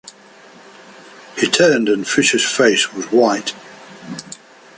He turned, and Fisher’s face was white.